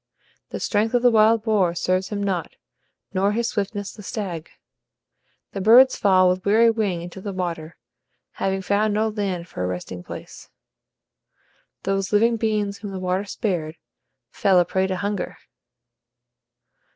The strength of the wild boar serves him not, nor his swiftness the stag. The birds fall with weary wing into the water, having found no land for a resting place. Those living beings whom the water spared fell a prey to hunger.